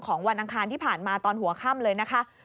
วันอังคารที่ผ่านมาตอนหัวค่ำเลยนะคะ